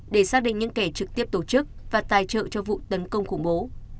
để xác định những kẻ trực tiếp tổ chức và tài trợ cho vụ tấn công khủng bố